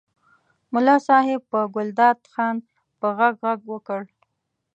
ملا صاحب په ګلداد خان په غږ غږ وکړ.